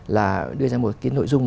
là đưa ra một cái nội dung